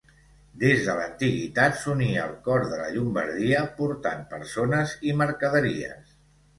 Des de l'antiguitat s'unia el cor de la Llombardia, portant persones i mercaderies.